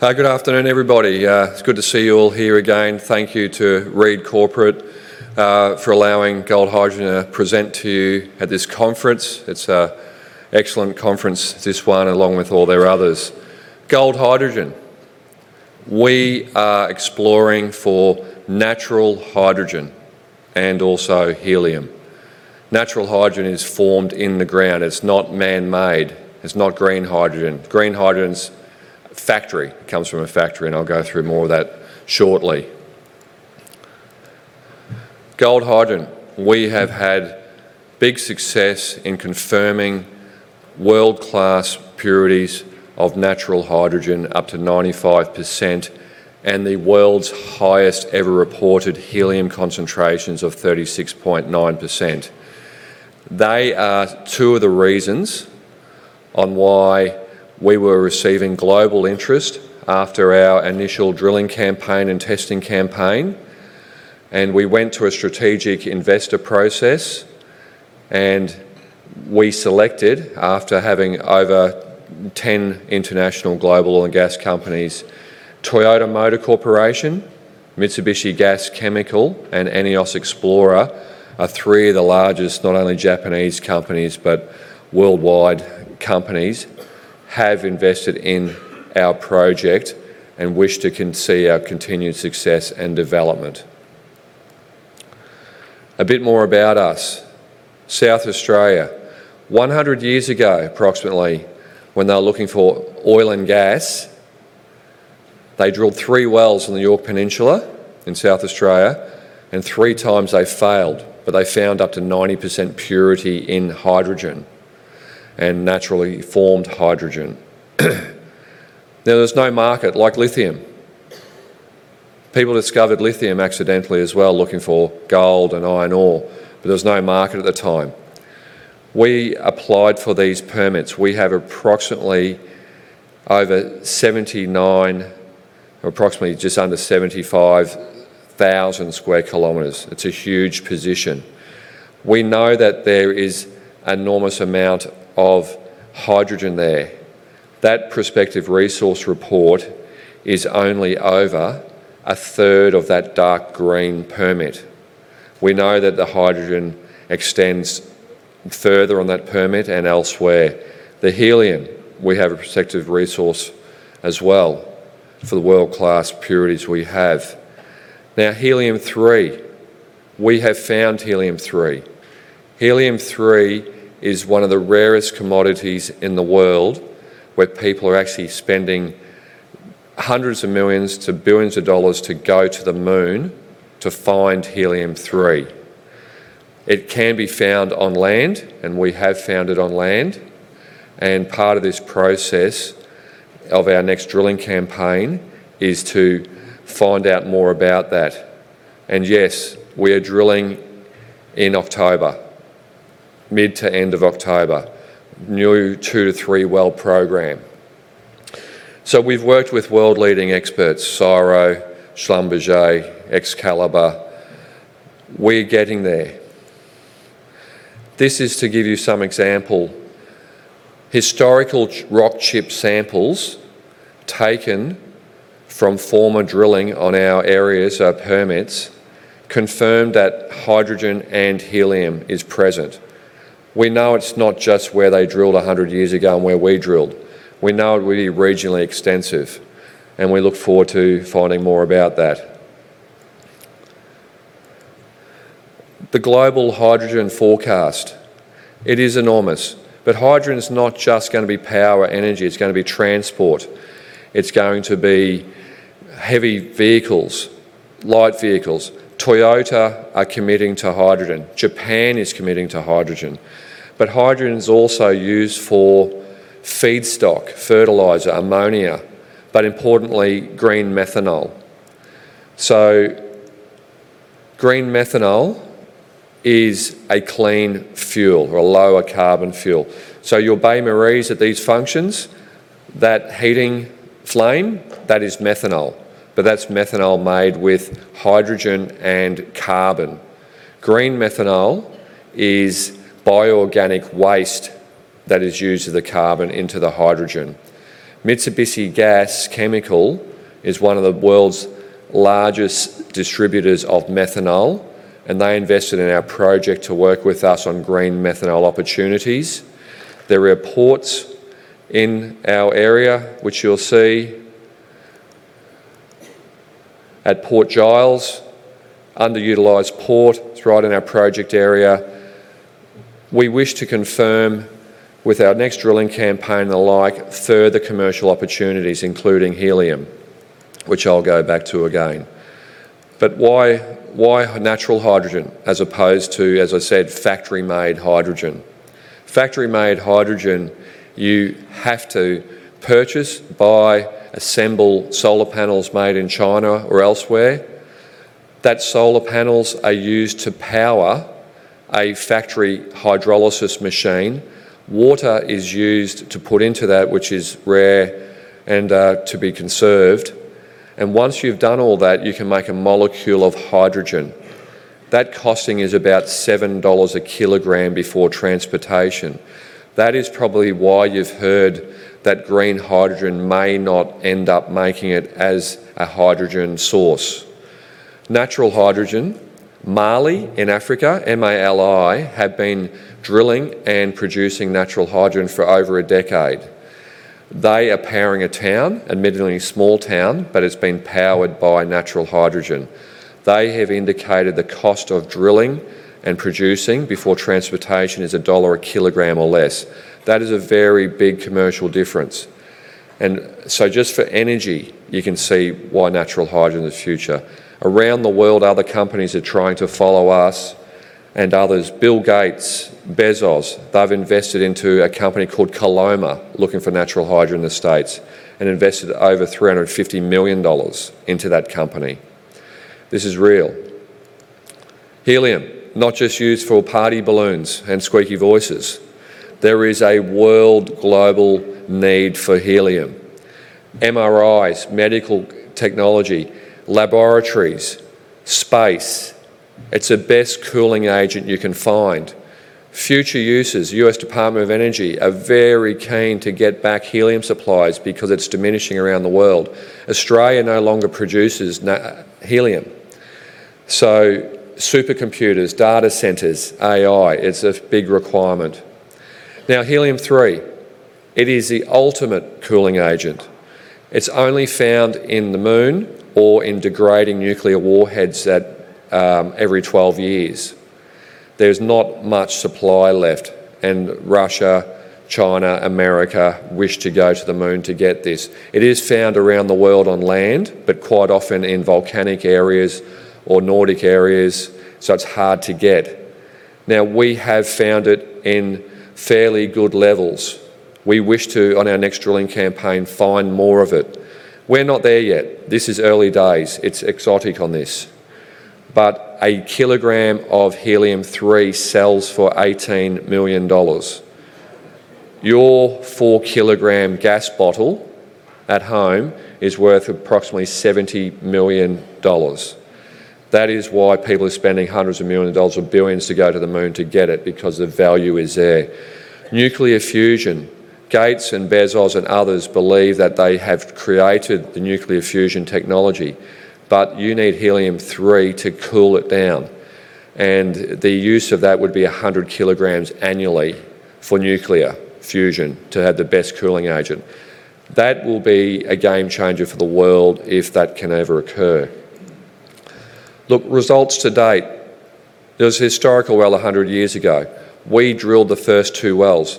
Good afternoon, everybody. It's good to see you all here again. Thank you to Reid Corporate for allowing Gold Hydrogen to present to you at this conference. It's an excellent conference, this one, along with all their others. Gold Hydrogen, we are exploring for natural hydrogen and also helium. Natural hydrogen is formed in the ground. It's not man-made. It's not green hydrogen. Green hydrogen's factory. It comes from a factory, and I'll go through more of that shortly. Gold Hydrogen, we have had big success in confirming world-class purities of natural hydrogen, up to 95%, and the world's highest ever reported helium concentrations of 36.9%. They are two of the reasons on why we were receiving global interest after our initial drilling campaign and testing campaign. We went to a strategic investor process, and we selected, after having over 10 international global oil and gas companies, Toyota Motor Corporation, Mitsubishi Gas Chemical, and ENEOS XPLORA three of the largest, not only Japanese companies but worldwide companies, have invested in our project and wish to see our continued success and development. A bit more about us. South Australia. 100 years ago, approximately, when they were looking for oil and gas, they drilled three wells in the Yorke Peninsula in South Australia, and three times they failed, but they found up to 90% purity in hydrogen and naturally formed hydrogen. Now, there's no market like lithium. People discovered lithium accidentally as well, looking for gold and iron ore, but there was no market at the time. We applied for these permits. We have approximately over 79, approximately just under 75,000 sq km. It's a huge position. We know that there is an enormous amount of hydrogen there. That prospective resource report is only over a third of that dark green permit. We know that the hydrogen extends further on that permit and elsewhere. The helium, we have a prospective resource as well for the world-class purities we have. Now, helium-3. We have found helium-3. Helium-3 is one of the rarest commodities in the world where people are actually spending hundreds of millions to billions of dollars to go to the Moon to find helium-3. It can be found on land, and we have found it on land. Part of this process of our next drilling campaign is to find out more about that. Yes, we are drilling in October, mid to end of October, new two to three well program. We've worked with world-leading experts: CSIRO, Schlumberger, Xcalibur. We're getting there. This is to give you some example. Historical rock chip samples taken from former drilling on our areas, our permits, confirm that hydrogen and helium are present. We know it's not just where they drilled 100 years ago and where we drilled. We know it will be regionally extensive, and we look forward to finding more about that. The global hydrogen forecast, it is enormous. But hydrogen's not just going to be power or energy. It's going to be transport. It's going to be heavy vehicles, light vehicles. Toyota are committing to hydrogen. Japan is committing to hydrogen. But hydrogen's also used for feedstock, fertilizer, ammonia, but importantly, green methanol. So green methanol is a clean fuel, a lower carbon fuel. So your Bunsen burners at these functions, that heating flame, that is methanol. But that's methanol made with hydrogen and carbon. Green methanol is bioorganic waste that is used as the carbon into the hydrogen. Mitsubishi Gas Chemical is one of the world's largest distributors of methanol, and they invested in our project to work with us on green methanol opportunities. There are ports in our area, which you'll see, at Port Giles, underutilized port. It's right in our project area. We wish to confirm, with our next drilling campaign and the like, further commercial opportunities, including helium, which I'll go back to again. Why natural hydrogen as opposed to, as I said, factory-made hydrogen? Factory-made hydrogen, you have to purchase, buy, assemble solar panels made in China or elsewhere. That solar panels are used to power a factory hydrolysis machine. Water is used to put into that, which is rare and to be conserved. Once you've done all that, you can make a molecule of hydrogen. That costing is about $7 a kilogram before transportation. That is probably why you've heard that green hydrogen may not end up making it as a hydrogen source. Natural hydrogen, Mali in Africa, M-A-L-I, have been drilling and producing natural hydrogen for over a decade. They are powering a town, admittedly a small town, but it's been powered by natural hydrogen. They have indicated the cost of drilling and producing before transportation is $1 a kilogram or less. That is a very big commercial difference. And so just for energy, you can see why natural hydrogen is the future. Around the world, other companies are trying to follow us and others. Bill Gates, Bezos, they've invested into a company called Koloma, looking for natural hydrogen in the States, and invested over $350 million into that company. This is real. Helium, not just used for party balloons and squeaky voices. There is a world global need for helium. MRIs, medical technology, laboratories, space. It's the best cooling agent you can find. Future uses, U.S. Department of Energy are very keen to get back helium supplies because it's diminishing around the world. Australia no longer produces helium. So supercomputers, data centers, AI, it's a big requirement. Now, helium-3, it is the ultimate cooling agent. It's only found in the moon or in degrading nuclear warheads every 12 years. There's not much supply left, and Russia, China, America wish to go to the moon to get this. It is found around the world on land, but quite often in volcanic areas or Nordic areas, so it's hard to get. Now, we have found it in fairly good levels. We wish to, on our next drilling campaign, find more of it. We're not there yet. This is early days. It's exotic on this. But a kilogram of helium-3 sells for $18 million. Your four-kilogram gas bottle at home is worth approximately $70 million. That is why people are spending hundreds of millions of dollars or billions to go to the moon to get it, because the value is there. Nuclear fusion, Gates and Bezos and others believe that they have created the nuclear fusion technology, but you need helium-3 to cool it down. And the use of that would be 100 kilograms annually for nuclear fusion to have the best cooling agent. That will be a game changer for the world if that can ever occur. Look, results to date, there was a historical well 100 years ago. We drilled the first two wells.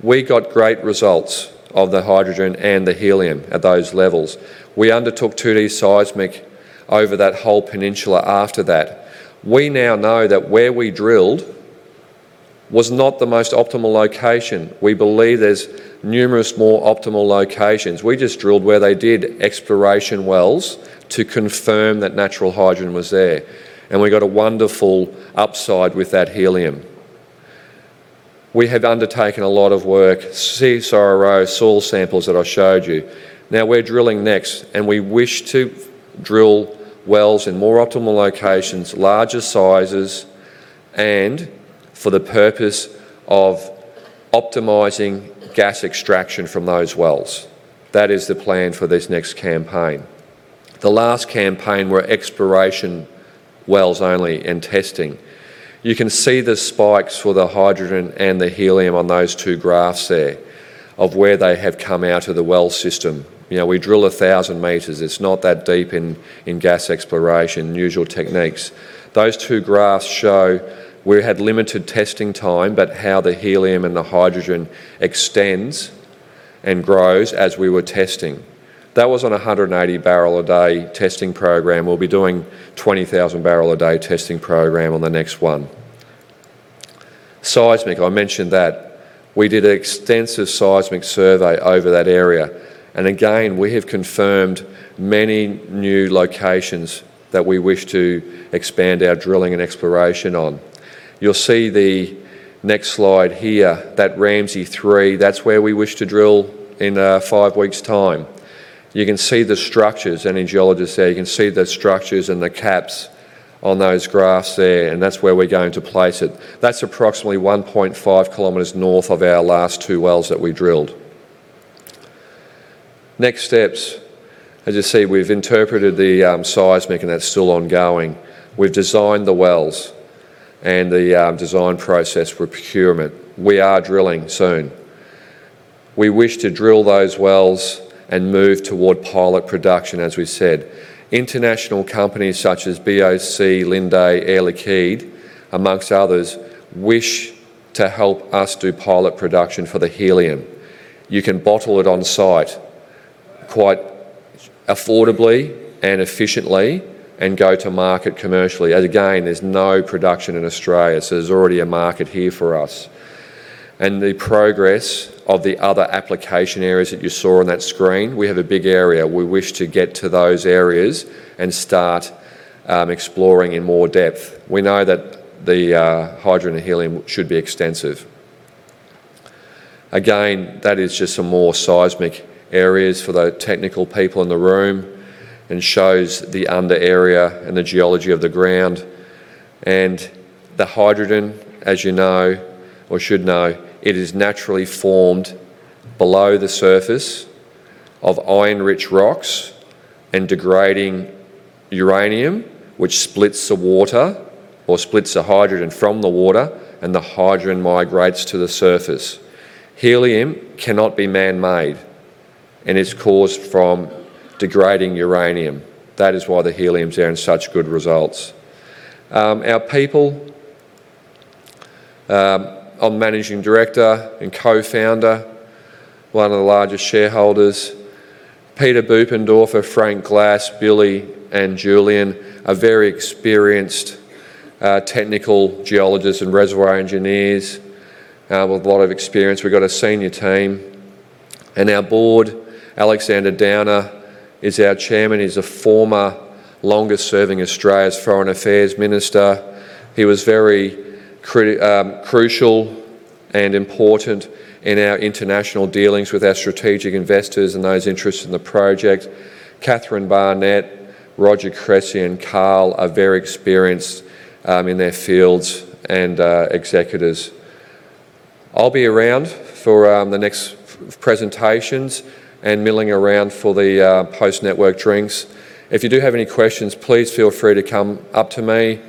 We got great results of the hydrogen and the helium at those levels. We undertook 2D seismic over that whole peninsula after that. We now know that where we drilled was not the most optimal location. We believe there's numerous more optimal locations. We just drilled where they did exploration wells to confirm that natural hydrogen was there, and we got a wonderful upside with that helium. We have undertaken a lot of work. See CSIRO soil samples that I showed you. Now, we're drilling next, and we wish to drill wells in more optimal locations, larger sizes, and for the purpose of optimizing gas extraction from those wells. That is the plan for this next campaign. The last campaign were exploration wells only and testing. You can see the spikes for the hydrogen and the helium on those two graphs there of where they have come out of the well system. We drill 1,000 meters. It's not that deep in gas exploration, usual techniques. Those two graphs show we had limited testing time, but how the helium and the hydrogen extends and grows as we were testing. That was on a 180-barrel-a-day testing program. We'll be doing a 20,000-barrel-a-day testing program on the next one. Seismic, I mentioned that. We did an extensive seismic survey over that area, and again, we have confirmed many new locations that we wish to expand our drilling and exploration on. You'll see the next slide here, that Ramsay-3. That's where we wish to drill in five weeks' time. You can see the structures and the geologists there. You can see the structures and the caps on those graphs there, and that's where we're going to place it. That's approximately 1.5 kilometers north of our last two wells that we drilled. Next steps, as you see, we've interpreted the seismic, and that's still ongoing. We've designed the wells and the design process for procurement. We are drilling soon. We wish to drill those wells and move toward pilot production, as we said. International companies such as BOC, Linde, Air Liquide, among others, wish to help us do pilot production for the helium. You can bottle it on site quite affordably and efficiently and go to market commercially. Again, there's no production in Australia, so there's already a market here for us, and the progress of the other application areas that you saw on that screen, we have a big area. We wish to get to those areas and start exploring in more depth. We know that the hydrogen and helium should be extensive. Again, that is just some more seismic areas for the technical people in the room and shows the under area and the geology of the ground. And the hydrogen, as you know or should know, it is naturally formed below the surface of iron-rich rocks and degrading uranium, which splits the water or splits the hydrogen from the water, and the hydrogen migrates to the surface. Helium cannot be man-made, and it's caused from degrading uranium. That is why the heliums are in such good results. Our people, our managing director and co-founder, one of the largest shareholders, Peter Bubendorfer, Frank Glass, Billy, and Julian, are very experienced technical geologists and reservoir engineers with a lot of experience. We've got a senior team. And our board, Alexander Downer is our chairman. He's a former longest-serving Australia's foreign affairs minister. He was very crucial and important in our international dealings with our strategic investors and those interests in the project. Katherine Barnett, Roger Cressey, and Karl are very experienced in their fields and executives. I'll be around for the next presentations and milling around for the post-network drinks. If you do have any questions, please feel free to come up to me,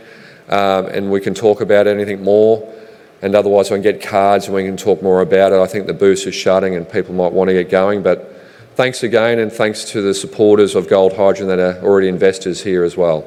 and we can talk about anything more, and otherwise I can get cards, and we can talk more about it. I think the booths are shutting, and people might want to get going, but thanks again, and thanks to the supporters of Gold Hydrogen that are already investors here as well.